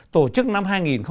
tổ chức năm hai nghìn chín